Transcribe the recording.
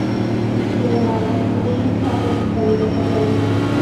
Sin embargo, Lee no fue suspendido por la liga.